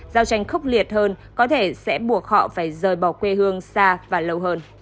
giao tranh khốc liệt hơn có thể sẽ buộc họ phải rời bỏ quê hương xa và lâu hơn